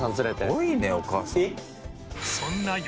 すごいねお母さん。